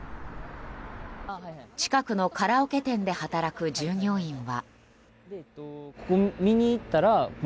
近くのカラオケ店で働く従業員は。